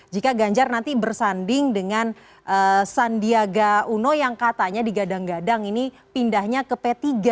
jika ganjar nanti bersanding dengan sandiaga uno yang katanya digadang gadang ini pindahnya ke p tiga